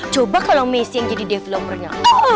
coba kalau messi yang jadi developernya